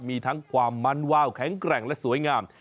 มีทั้งความมันวาวแข็งแกร่งและสวยงาม